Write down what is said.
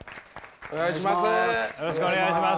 お願いします。